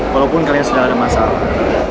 walaupun kalian sudah ada masalah